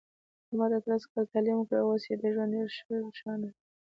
احمد اتلس کاله تعلیم وکړ، اوس یې د ژوند ډېوه ښه روښانه ده.